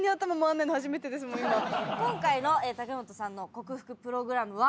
今回の武元さんの克服プログラムは。